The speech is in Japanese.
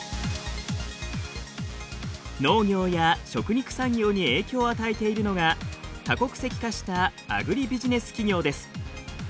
農業や食肉産業に影響を与えているのが多国籍化したアグリビジネス企業です。